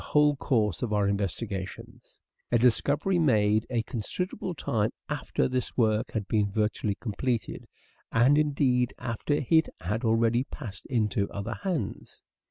whole course of our investigations : a discovery made a considerable time after this work had been virtually completed and indeed after it had already passed into other hands.